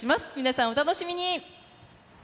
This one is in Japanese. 皆さんお楽しみに。